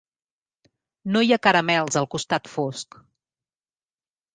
No hi ha caramels al costat fosc.